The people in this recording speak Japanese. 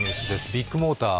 ビッグモーター。